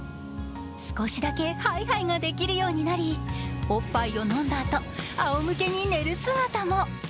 少しだけハイハイができるようになり、おっぱいを飲んだあとあおむけに寝る姿も。